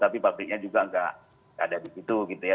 tapi pabriknya juga nggak ada di situ gitu ya